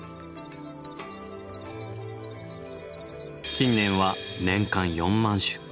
近年は年間４万種。